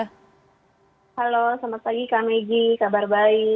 halo selamat pagi kak megi kabar baik